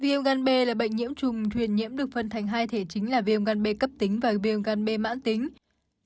viêm ngăn bê là bệnh nhiễm trùng thuyền nhiễm được phân thành hai thể chính là viêm ngăn bê cấp tính và viêm ngăn bê mãn tính